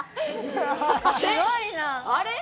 すごいなあれ？